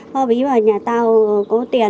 bởi vì nhà tao có tiền